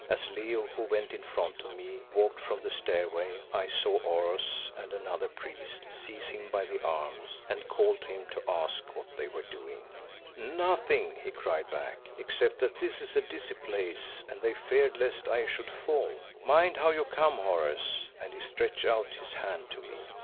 As Leo, who went in front of me, walked from the stairway I saw Oros and another priest seize him by the arms, and called to him to ask what they were doing. "Nothing," he cried back, "except that this is a dizzy place and they feared lest I should fall. Mind how you come, Horace," and he stretched out his hand to me.